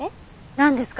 なんですか？